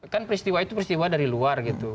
kan peristiwa itu peristiwa dari luar gitu